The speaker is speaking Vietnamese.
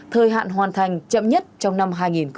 thời hạn hoàn thành chậm nhất trong năm hai nghìn hai mươi